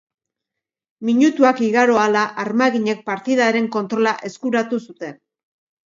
Minutuak igaro ahala, armaginek partidaren kontrola eskuratu zuten.